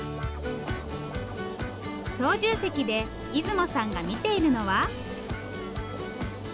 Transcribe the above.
操縦席で出雲さんが見ているのは。